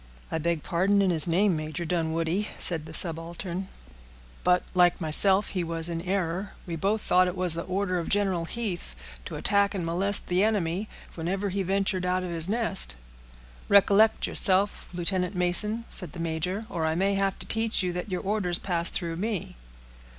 "I beg pardon in his name, Major Dunwoodie," said the subaltern; "but, like myself, he was in error. We both thought it was the order of General Heath, to attack and molest the enemy whenever he ventured out of his nest." "Recollect yourself, Lieutenant Mason," said the major, "or I may have to teach you that your orders pass through me."